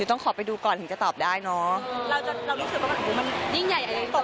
อยู่ต้องขอไปดูก่อนถึงจะตอบได้นะ